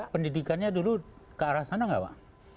pendidikannya dulu ke arah sana tidak